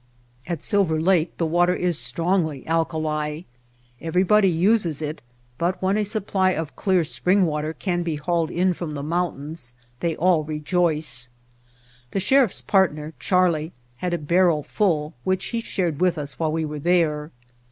At Silver Lake the water is strongly alkali. Everybody uses it, but when a supply of clear spring water can be hauled in from the mountains they all rejoice. The Sheriflf's partner, Charley, had a barrel full which he shared with us while we were there.